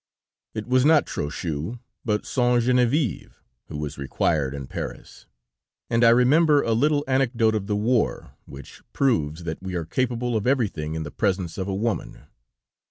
"It was not Trochu, but Saint Geneviève, who was required in Paris, and I remember a little anecdote of the war which proves that we are capable of everything in the presence of a woman.